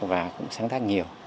và cũng sáng tác nhiều